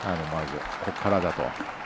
ここからだと。